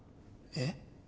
えっ？